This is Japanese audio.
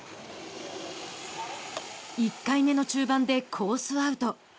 １回目の中盤でコースアウト。